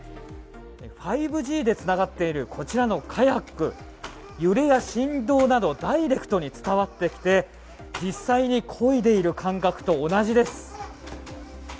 ５Ｇでつながっているこちらのカヤック揺れや振動などダイレクトに伝わってきて実際にこいでいる感覚と同じです。